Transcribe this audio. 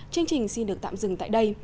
chương trình xin được tạm dừng tại đây